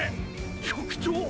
局長！